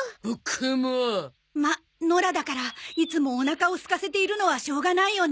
まっ野良だからいつもおなかをすかせているのはしょうがないよね。